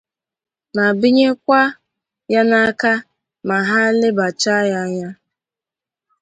ma binyekwa ya aka ma ha lebàchaa ya anya.